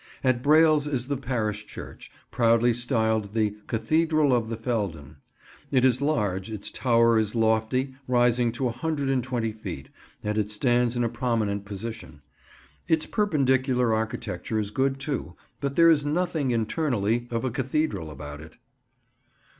At Brailes is the parish church, proudly styled the "Cathedral of the Feldon." It is large, its tower is lofty, rising to a hundred and twenty feet, and it stands in a prominent position. Its Perpendicular architecture is good, too, but there is nothing, internally, of a cathedral about it.